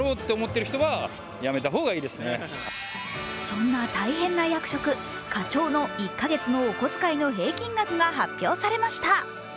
そんな大変な役職課長の１か月のお小遣いの平均額が発表されました。